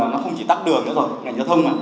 nó không chỉ tắt đường nữa rồi ngành giao thông